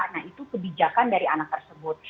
nah itu kebijakan dari anak tersebut